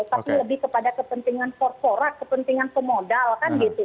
tapi lebih kepada kepentingan korpora kepentingan pemodal kan gitu